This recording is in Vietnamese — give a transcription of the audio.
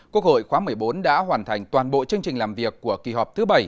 quốc hội khóa một mươi bốn đã hoàn thành toàn bộ chương trình làm việc của kỳ họp thứ bảy